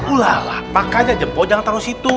ulala pak aja jempol jangan taro situ